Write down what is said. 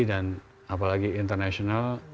dan apalagi internasional